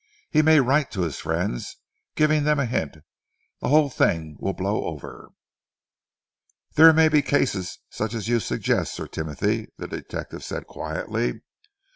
He may write to his friends, giving them a hint. The whole thing will blow over." "There may be cases such as you suggest, Sir Timothy," the detective said quietly.